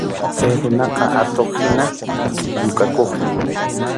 Chay runaqa atuq-hina yukakuqmi.